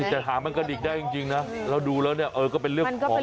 แต่หางมันกระดิกได้จริงนะเราดูแล้วเนี่ยเออก็เป็นเรื่องของ